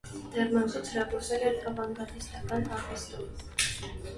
Դեռ մանկուց հրապուրվել էր ավանգարդիստական արվեստով։